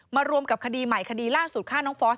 มารวมกับคดีใหม่คดีล่างสูตรฆ่าน้องฟอร์ส